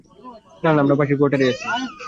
না, না, আমরা পাশের কোয়ার্টারেই আছি।